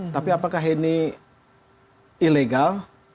tapi apakah ini ilegal